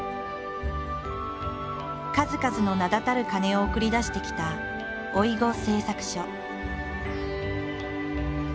数々の名だたる鐘を送り出してきた老子製作所。